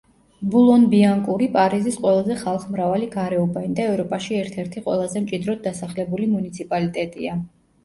ბულონ-ბიანკური პარიზის ყველაზე ხალხმრავალი გარეუბანი და ევროპაში ერთ-ერთი ყველაზე მჭიდროდ დასახლებული მუნიციპალიტეტია.